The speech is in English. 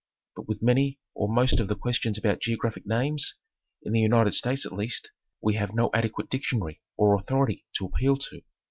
But with many or most of the questions about geographic names, in the United States at least, we have no adequate dictionary or "authority " to appeal to.